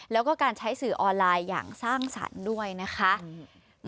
แล้วก็การใช้สื่อออนไลน์อย่างสร้างสรรค์ด้วยนะคะ